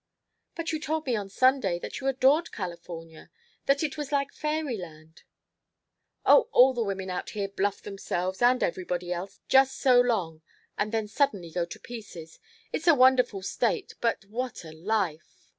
"But you told me on Sunday that you adored California, that it was like fairy land " "Oh, all the women out here bluff themselves and everybody else just so long and then suddenly go to pieces. It's a wonderful state, but what a life!